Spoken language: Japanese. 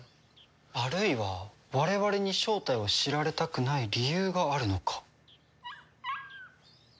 あるいは我々に正体を知られたくない理由があるのか。